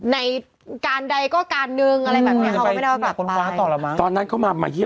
ในการใดก็การหนึ่งอะไรแบบนี้